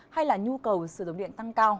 hay là nhu cầu sử dụng điện tăng cao